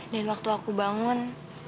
dan waktu aku bangun